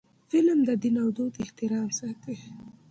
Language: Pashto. فلم د دین او دود احترام ساتي